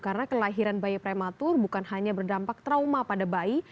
karena kelahiran bayi prematur bukan hanya berdampak trauma pada bayi